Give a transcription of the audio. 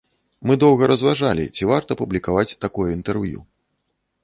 Мы доўга разважалі, ці варта публікаваць такое інтэрв'ю.